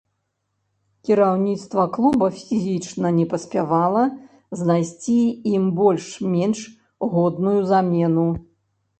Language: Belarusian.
Кіраўніцтва клуба фізічна не паспявала знайсці ім больш-менш годную замену.